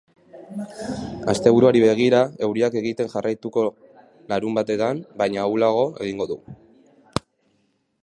Asteburuari begira, euriak egiten jarraituko larunbatean, baina ahulago egingo du.